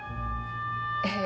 ええ。